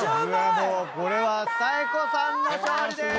これは紗栄子さんの勝利でーす！